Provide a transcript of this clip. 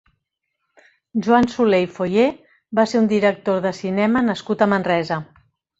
Joan Soler i Foyé va ser un director de cinema nascut a Manresa.